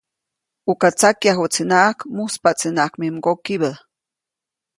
Uka tsakyajuʼtsinaʼajk, mujspaʼtsinaʼajk mi mgokibä.